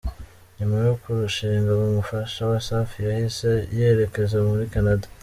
Nyuma yo kurushinga, umufasha wa Safi yahise yerekeza muri Canada.